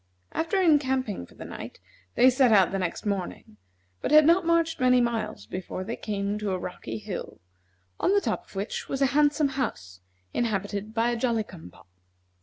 After encamping for the night, they set out the next morning, but had not marched many miles before they came to a rocky hill, on the top of which was a handsome house, inhabited by a Jolly cum pop.